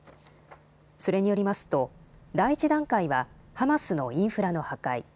それによりますと第１段階はハマスのインフラの破壊。